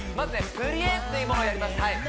プリエっていうものをやります